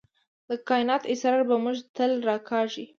د کائنات اسرار به موږ تل راکاږي.